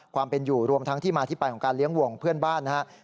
ความเป็นอยู่รวมทั้งที่มาที่ไปของการเลี้ยงวงเพื่อนบ้านนะครับ